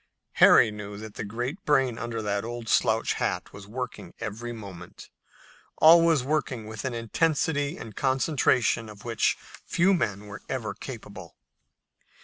Harry knew that the great brain under the old slouch hat was working every moment, always working with an intensity and concentration of which few men were ever capable.